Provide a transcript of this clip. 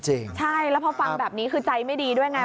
ใช่แล้วพอฟังแบบนี้คือใจไม่ดีด้วยไง